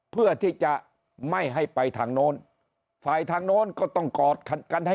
เพื่อที่จะไม่ให้ไปทางโน้นฝ่ายทางโน้นก็ต้องกอดกันให้